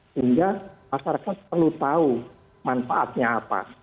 sehingga masyarakat perlu tahu manfaatnya apa